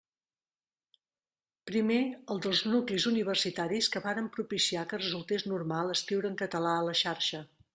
Primer els dels nuclis universitaris que varen propiciar que resultés normal escriure en català a la xarxa.